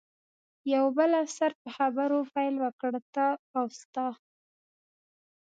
یو بل افسر په خبرو پیل وکړ، ته او ستا.